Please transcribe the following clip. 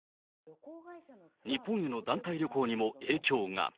日本への団体旅行にも影響が。